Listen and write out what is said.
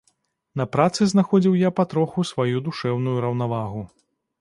На працы знаходзіў я патроху сваю душэўную раўнавагу.